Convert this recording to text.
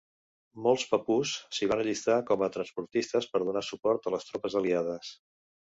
Molts papús s'hi van allistar com a transportistes per donar suport a les tropes aliades.